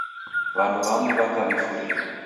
W'andu w'amu w'aka w'ifurie.